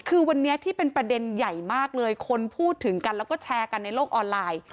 คือวันนี้ที่เป็นประเด็นใหญ่มากเลยคนพูดถึงกันแล้วก็แชร์กันในโลกออนไลน์